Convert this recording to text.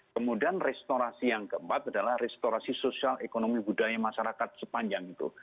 kemudian restorasi yang keempat adalah restorasi sosial ekonomi budaya masyarakat sepanjang itu